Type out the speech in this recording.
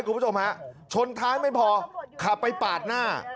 คุณผู้ชมฮะชนท้ายไม่พอขับไปปาดหน้า